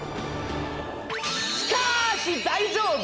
しかーし大丈夫！！